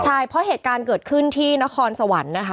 ใช่เพราะเหตุการณ์เกิดขึ้นที่นครสวรรค์นะคะ